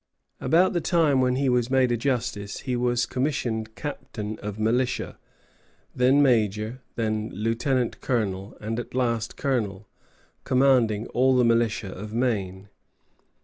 About the time when he was made a justice, he was commissioned captain of militia, then major, then lieutenant colonel, and at last colonel, commanding all the militia of Maine.